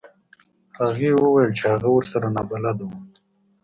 هغې وویل چې هغه ورسره نابلده و.